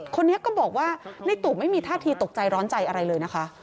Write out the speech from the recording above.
คนนี้ก็บอกว่าในตู่ไม่มีท่าทีตกใจร้อนใจอะไรเลยนะคะ